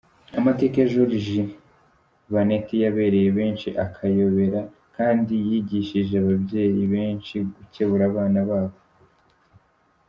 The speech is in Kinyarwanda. Amateka ya Joriji Baneti yabereye benshi akayobera, kandi yigishije ababyeyi benshi gukebura abana babo.